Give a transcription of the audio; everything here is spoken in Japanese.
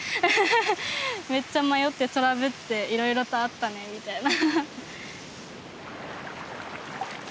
めっちゃ迷ってトラブっていろいろとあったねみたいな。